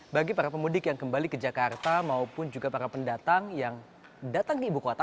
bagi para pemudik yang kembali ke jakarta maupun juga para pendatang yang datang ke ibu kota